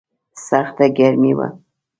سخته ګرمي وه.